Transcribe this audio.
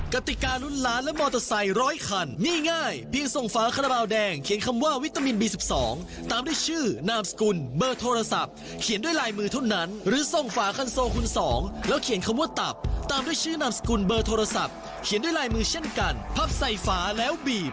กติการุ่นล้านและมอเตอร์ไซค์ร้อยคันนี่ง่ายเพียงส่งฝาคาราบาลแดงเขียนคำว่าวิตามินบี๑๒ตามด้วยชื่อนามสกุลเบอร์โทรศัพท์เขียนด้วยลายมือเท่านั้นหรือส่งฝาคันโซคุณสองแล้วเขียนคำว่าตับตามด้วยชื่อนามสกุลเบอร์โทรศัพท์เขียนด้วยลายมือเช่นกันพับใส่ฝาแล้วบีบ